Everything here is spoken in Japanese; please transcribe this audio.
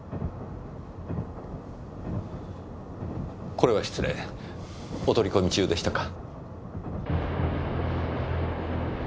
これは失礼お取り込み中でしたか。